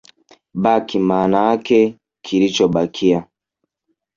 "Baki, maanake kilichobakia"